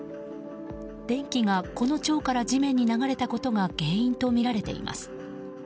電気がこの腸から地面に流れたことが原因とみられています。